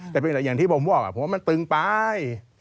แต่อย่างที่ผมบอกผมว่ามันตึงไป